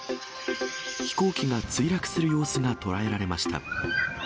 飛行機が墜落する様子が捉えられました。